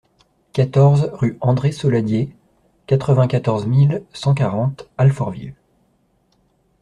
quatorze rue André Soladier, quatre-vingt-quatorze mille cent quarante Alfortville